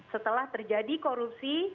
setelah terjadi korupsi